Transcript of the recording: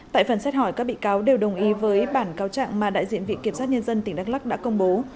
tại phần xét hỏi các bị cáo đều đồng ý với bản cáo trạng mà đại diện vị kiểm sát nhân dân tỉnh đắk lắc đã công bố